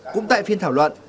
cũng tại phiên thảo luận